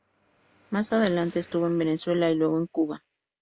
Más adelante estuvo en Venezuela y luego en Cuba.